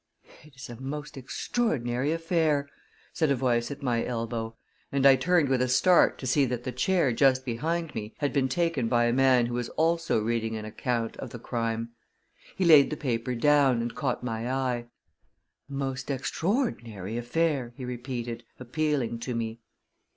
"It is a most extraor rdinary affair," said a voice at my elbow, and I turned with a start to see that the chair just behind me had been taken by a man who was also reading an account of the crime. He laid the paper down, and caught my eye. "A most extraor rdinary affair!" he repeated, appealing to me.